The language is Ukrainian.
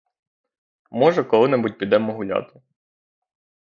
Може, коли-небудь підемо гуляти.